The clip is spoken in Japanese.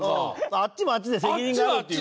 あっちもあっちで責任がある。